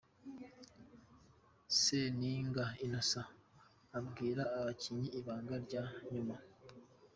Seninga Innocent abwira abakinnyi ibanga rya nyuma.